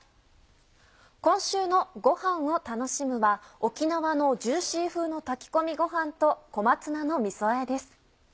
今週の「ごはんを楽しむ」は沖縄のジューシー風の炊き込みごはんと「小松菜のみそあえ」です。